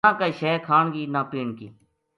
نہ کائے شے کھان کی نہ پین کی